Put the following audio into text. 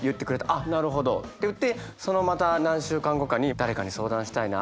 「あっなるほど」って言ってそのまた何週間後かに誰かに相談したいな。